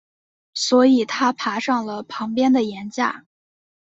所以他爬上了旁边的岩架。